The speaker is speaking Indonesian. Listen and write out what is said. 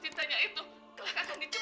itu adalah seorangessiym